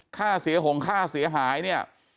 ค่าเสียหงค่าเสียหายเนี่ย